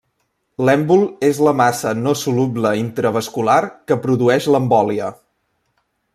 L'èmbol és la massa no soluble intravascular que produeix l'embòlia.